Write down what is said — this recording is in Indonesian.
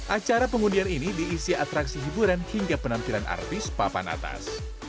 acara pengundian ini diisi atraksi hiburan hingga penampilan artis papan atas